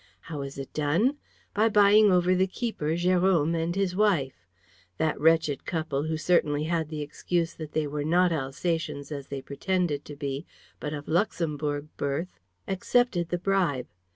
How was it done? By buying over the keeper, Jérôme, and his wife. That wretched couple, who certainly had the excuse that they were not Alsatians, as they pretended to be, but of Luxemburg birth, accepted the bribe.